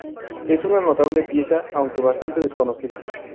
Es una notable pieza, aunque bastante desconocida.